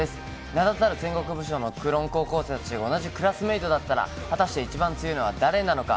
名だたる戦国武将のクローン高校生たちが同じクラスメートだったら、果たして、一番強いのは誰なのか。